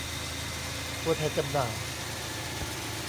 ตัวแทนจำหน่าย